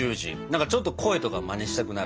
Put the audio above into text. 何かちょっと声とかマネしたくなる感じ。